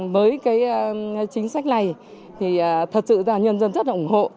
với cái chính sách này thì thật sự là nhân dân rất là ủng hộ